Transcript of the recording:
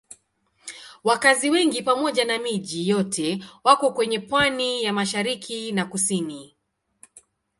Wakazi wengi pamoja na miji yote wako kwenye pwani ya mashariki na kusini.